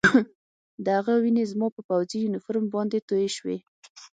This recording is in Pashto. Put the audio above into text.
د هغه وینې زما په پوځي یونیفورم باندې تویې شوې